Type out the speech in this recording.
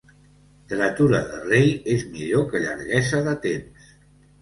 Dretura de rei és millor que llarguesa de temps.